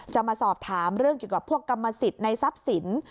จะมาสอบถามเรื่องเกี่ยวกับพวกกรรมสิทธิ์ในทรัพย์สิน